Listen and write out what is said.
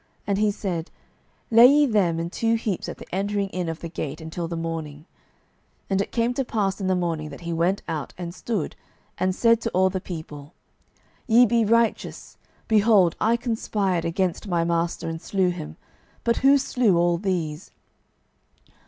And he said, Lay ye them in two heaps at the entering in of the gate until the morning. 12:010:009 And it came to pass in the morning, that he went out, and stood, and said to all the people, Ye be righteous: behold, I conspired against my master, and slew him: but who slew all these?